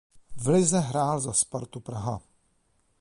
V lize hrál za Spartu Praha.